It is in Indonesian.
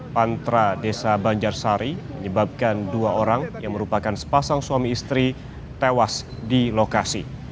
pantra desa banjarsari menyebabkan dua orang yang merupakan sepasang suami istri tewas di lokasi